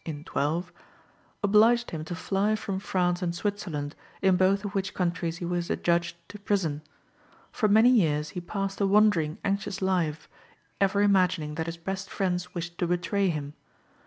in 12), obliged him to fly from France and Switzerland, in both of which countries he was adjudged to prison. For many years he passed a wandering, anxious life, ever imagining that his best friends wished to betray him.